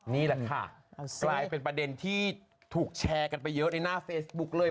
นี่แหละค่ะกลายเป็นประเด็นที่ถูกแชร์กันไปเยอะในหน้าเฟซบุ๊กเลย